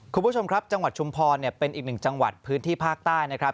คุณผู้ชมครับจังหวัดชุมพรเป็นอีกหนึ่งจังหวัดพื้นที่ภาคใต้นะครับ